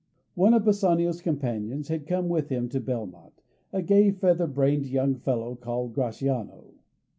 One of Bassanio's companions had come with him to Belmont, a gay, feather brained young fellow called Gratiano.